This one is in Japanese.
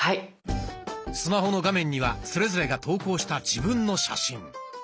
スマホの画面にはそれぞれが投稿した自分の写真。